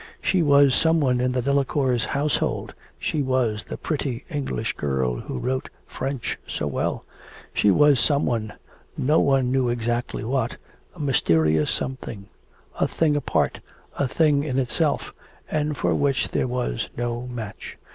She was some one in the Delacours' household, she was the pretty English girl who wrote French so well. She was some one, no one knew exactly what, a mysterious something, a thing apart, a thing in itself, and for which there was no match.